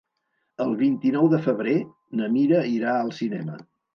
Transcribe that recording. El vint-i-nou de febrer na Mira irà al cinema.